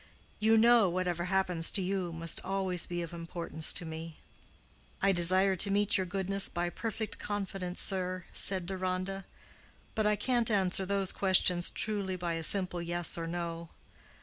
You know, whatever happens to you must always be of importance to me." "I desire to meet your goodness by perfect confidence, sir," said Deronda. "But I can't answer those questions truly by a simple yes or no.